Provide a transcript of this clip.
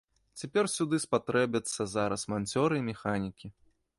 Цяпер сюды спатрэбяцца зараз манцёры і механікі.